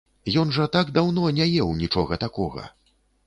Ён жа так даўно не еў нічога такога!